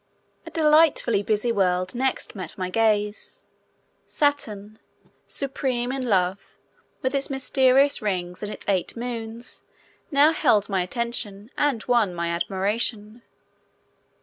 A delightfully busy world next met my gaze. Saturn, supreme in love, with its mysterious rings and its eight moons, now held my attention and won my admiration.